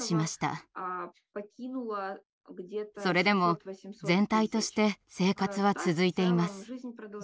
それでも全体として生活は続いています。